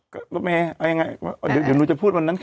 ก็รถเมย์เอายังไงเดี๋ยวหนูจะพูดวันนั้นค่ะ